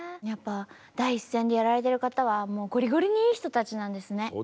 やっぱ第一線でやられてる方はもうごりごりにいい人たちなんですね。